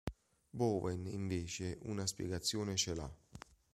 Bowen, invece, una spiegazione ce l'ha.